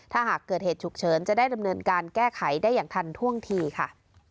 ถ้าหากเกิดเหตุฉุกเฉินจะได้ดำเนินการแก้ไขได้อย่างทันท่วงทีค่ะ